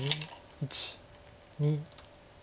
１２。